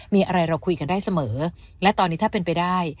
มีอะไรเราคุยกันได้เสมอและตอนนี้ถ้าเป็นไปได้